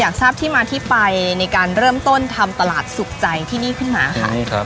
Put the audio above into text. ทราบที่มาที่ไปในการเริ่มต้นทำตลาดสุขใจที่นี่ขึ้นมาค่ะ